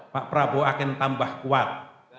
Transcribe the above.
pak prabowo akan tambah kuat